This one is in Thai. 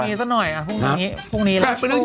พรุ่งนี้สักหน่อยพรุ่งนี้หลังโชว์